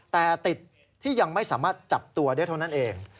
แต่ติดที่ยังไม่สามารถจับตัวได้เท่านั้นเอง